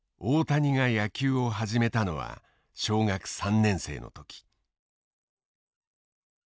大谷が野球を始めたのは小学３年生の時。